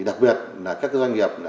đặc biệt là các doanh nghiệp